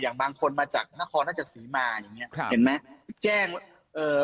อย่างบางคนมาจากนครน่าจะสีมาอย่างเนี้ยเห็นไหมแจ้งเอ่อ